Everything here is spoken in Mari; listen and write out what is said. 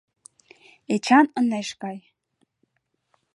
Эчан ынеж кай.